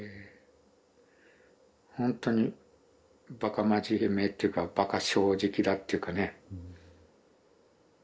ほんとにバカ真面目っていうかバカ正直だっていうかね。